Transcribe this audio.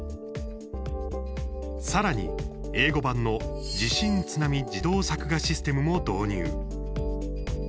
さらに、英語版の地震・津波自動作画システムも導入。